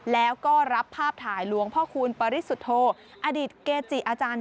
แล้วก็รับภาพถ่ายหลวงพ่อคูณปริสุทธโทอดอดีตเกจิอาจารย์